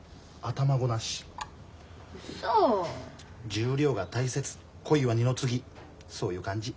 十両が大切恋は二の次そういう感じ。